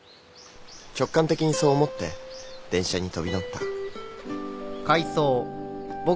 直感的にそう思って電車に飛び乗った。